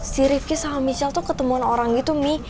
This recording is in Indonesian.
si rifki sama michelle tuh ketemuan orang gitu mi